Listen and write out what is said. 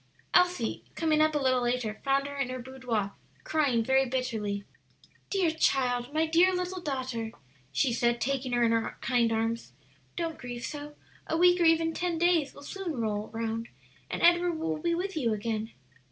Elsie, coming up a little later, found her in her boudoir crying very bitterly. "Dear child, my dear little daughter," she said, taking her in her kind arms, "don't grieve so; a week or even ten days will soon roll round, and Edward will be with you again."